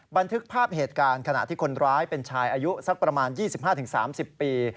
บันทึกภาพเหตุการณ์ขณะที่คนร้ายเป็นชายอายุสักประมาณ๒๕๓๐ปี